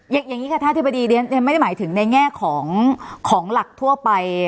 อย่างนี้ค่ะท่านอธิบดีเรียนไม่ได้หมายถึงในแง่ของหลักทั่วไป